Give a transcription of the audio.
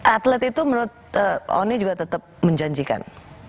atlet itu menurut oni juga tetap menjanjikan